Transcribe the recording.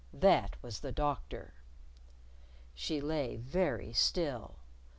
That was the Doctor. She lay very still.